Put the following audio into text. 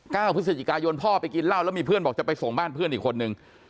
พฤศจิกายนพ่อไปกินเหล้าแล้วมีเพื่อนบอกจะไปส่งบ้านเพื่อนอีกคนนึง